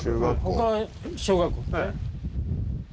他は小学校。